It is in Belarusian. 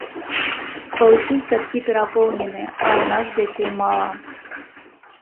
Паўсюль садкі перапоўненыя, а ў нас дзяцей мала.